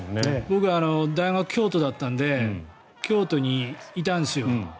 僕、大学、京都だったので京都にいたんですよ。